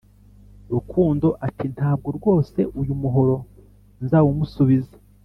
Rukundo ati Ntabwo rwose uyu muhoro nzawumusubiza